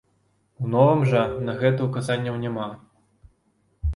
У новым жа на гэта указанняў няма.